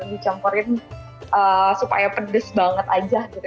dicampurin supaya pedes banget aja gitu